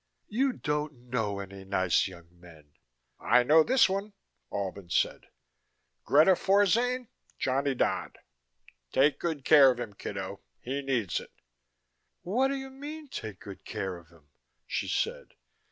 "You don't know any nice young men." "I know this one," Albin said. "Greta Forzane, Johnny Dodd. Take good care of him, kiddo he needs it." "What do you mean, good care of him?" she said.